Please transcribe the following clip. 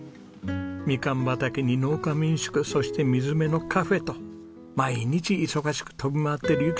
みかん畑に農家民宿そして水辺のカフェと毎日忙しく飛び回っているゆきさんです。